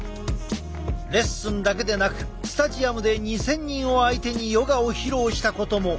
レッスンだけでなくスタジアムで２，０００人を相手にヨガを披露したことも。